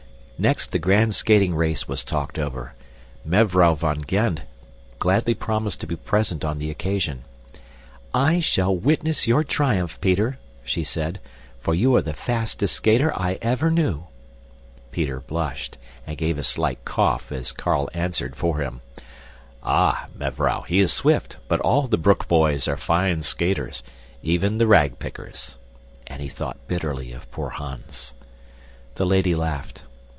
Next the grand skating race was talked over; Mevrouw van Gend gladly promised to be present on the occasion. "I shall witness your triumph, Peter," she said, "for you are the fastest skater I ever knew." Peter blushed and gave a slight cough as Carl answered for him. "Ah, mevrouw, he is swift, but all the Broek boys are fine skaters even the rag pickers," and he thought bitterly of poor Hans. The lady laughed.